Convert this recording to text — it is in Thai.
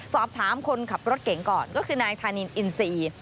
สอบถามคนขับรถเก่งก่อนก็คือนายธานินอินซี